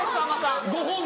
ご本人。